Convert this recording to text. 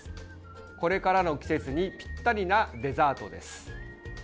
これからの季節にぴったりなデザートです。